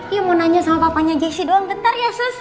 iya mau nanya sama papanya jessi doang bentar ya sus